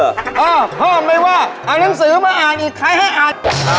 อ่ะพ่อมันไม่ว่าเอาหนังสือมาอ่านอีกที๕อัน